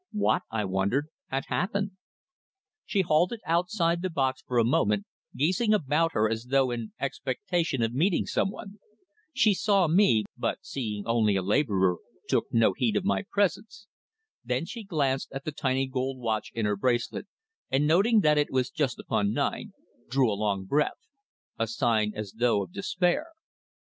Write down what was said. What, I wondered, had happened? She halted outside the box for a moment, gazing about her as though in expectation of meeting someone. She saw me, but seeing only a labourer, took no heed of my presence. Then she glanced at the tiny gold watch in her bracelet, and noting that it was just upon nine, drew a long breath a sigh as though of despair.